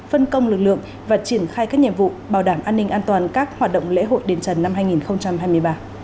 phân công lực lượng và triển khai các nhiệm vụ bảo đảm an ninh an toàn các hoạt động lễ hội đền trần năm hai nghìn hai mươi ba